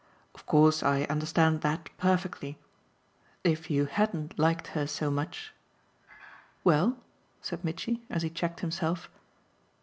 "Of course I understand that perfectly. If you hadn't liked her so much " "Well?" said Mitchy as he checked himself.